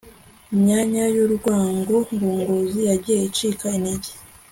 imyanya y'urwungano ngogozi yagiye icika intege